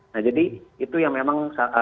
nah jadi itu yang memang